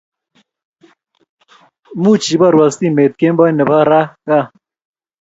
Much iborwo simet kemboi nebo raa, ga